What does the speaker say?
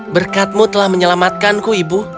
berkatmu telah menyelamatkanku ibu